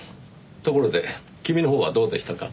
ところで君のほうはどうでしたか？